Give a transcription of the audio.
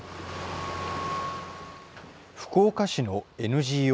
福岡市のＮＧＯ